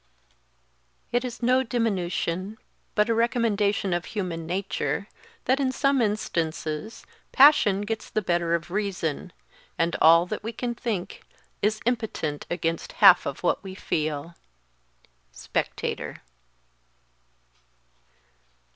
"It is no diminution, but a recommendation of human nature, that, in some instances, passion gets the better of reason, and all that we can think is impotent against half what we feel." _Spectator.